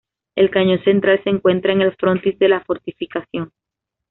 El cañón central se encuentra en el frontis de la fortificación.